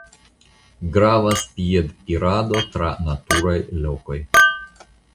Gravas piedirado tra naturaj lokoj.